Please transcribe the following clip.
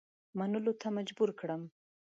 منلو ته مجبور کړم.